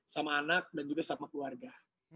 sama anak dan juga sama keluarga